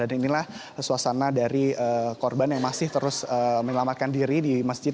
dan inilah suasana dari korban yang masih terus menyelamatkan diri di masjid